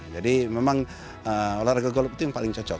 jadi memang olahraga golf itu yang paling cocok